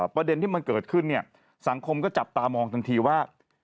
ประเด็นที่มันเกิดขึ้นเนี่ยสังคมก็จับตามองทันทีว่า